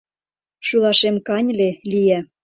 Шӱлашем каньыле лие.